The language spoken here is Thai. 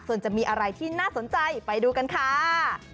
ส่วนจะมีอะไรที่น่าสนใจไปดูกันค่ะ